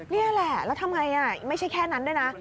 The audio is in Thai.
นี่แหละแล้วทำไงไม่ใช่แค่นั้นด้วยนะ